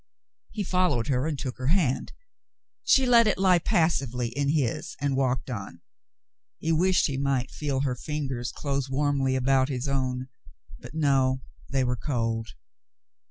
He followed her and took her hand. She let it lie passively in his and walked on. He wished he might feel her fingers close warmly about his own, but no, they were cold.